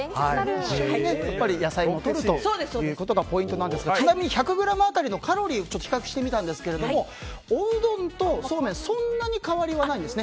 やっぱり野菜もとるということがポイントなんですがちなみに１００ｇ当たりのカロリーを比較してみたんですがおうどんとそうめんそんなに変わりはないんです。